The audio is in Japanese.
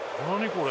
これ。